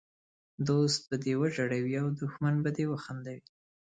دوست به دې وژړوي او دښمن به دي وخندوي!